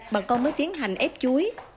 bà con mới tiến hành ép chuối